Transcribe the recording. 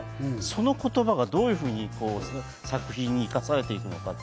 その言葉がどういうふうに作品に生かされていくのか。